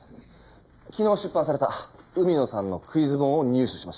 昨日出版された海野さんのクイズ本を入手しました。